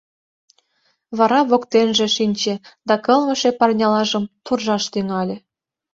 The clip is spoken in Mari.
Вара воктенже шинче да кылмыше парнялажым туржаш тӱҥале.